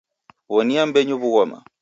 Wonia mmbenyu wughoma